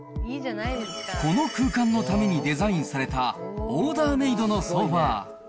この空間のためにデザインされた、オーダーメードのソファ。